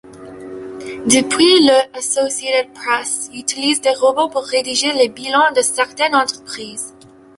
Depuis le Associated Press utilise des robots pour rédiger les bilans de certaines entreprises.